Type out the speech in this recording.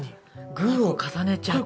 グーを重ねちゃって。